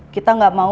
kita enggak mau